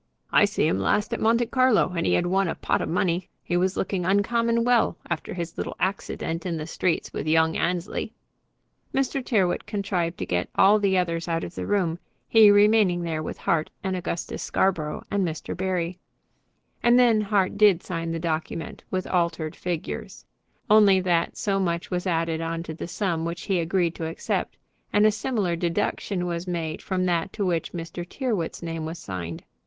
I see him last at Monte Carlo, and he had won a pot of money. He was looking uncommon well after his little accident in the streets with young Annesley." Mr. Tyrrwhit contrived to get all the others out of the room, he remaining there with Hart and Augustus Scarborough and Mr. Barry. And then Hart did sign the document with altered figures: only that so much was added on to the sum which he agreed to accept, and a similar deduction made from that to which Mr. Tyrrwhit's name was signed.